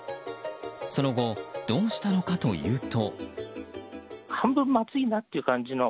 その後、どうしたのかというと。